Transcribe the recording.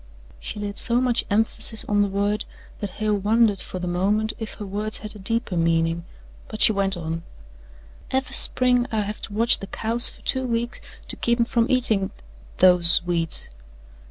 She laid so much emphasis on the word that Hale wondered for the moment if her words had a deeper meaning but she went on: "Ever' spring I have to watch the cows fer two weeks to keep 'em from eatin' those weeds."